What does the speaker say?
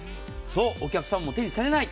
お客さんも手にされない。